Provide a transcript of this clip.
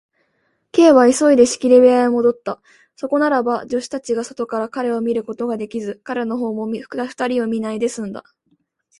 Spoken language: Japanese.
Ｋ は急いで仕切り部屋へもどった。そこならば、助手たちが外から彼を見ることができず、彼のほうも二人を見ないですんだ。